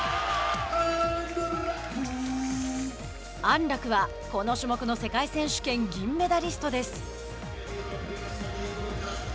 安楽は、この種目の世界選手権、銀メダリストです。